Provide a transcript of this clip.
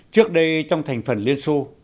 trước đây trong thành phần liên xô